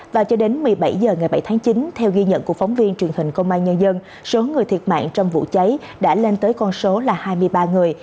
và cho đến một mươi bảy h ngày bảy tháng chín theo ghi nhận của phóng viên truyền hình công an nhân dân số người thiệt mạng trong vụ cháy đã lên tới con số là hai mươi ba người